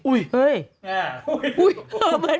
อุ๊ยเฮ่ย